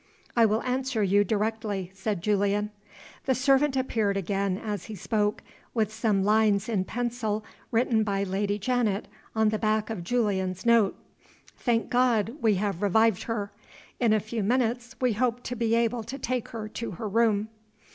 "I will answer you directly," said Julian. The servant appeared again as he spoke, with some lines in pencil written by Lady Janet on the back of Julian's note. "Thank God, we have revived her. In a few minutes we hope to be able to take her to her room."